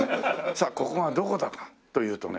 さあここがどこだかというとね